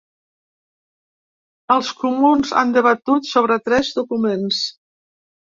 Els comuns han debatut sobre tres documents.